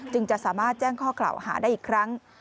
จะสามารถแจ้งข้อกล่าวหาได้อีกครั้ง